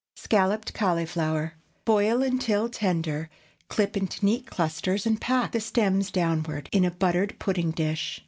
SCALLOPED CAULIFLOWER. Boil until tender, clip into neat clusters, and pack—the stems downward—in a buttered pudding dish.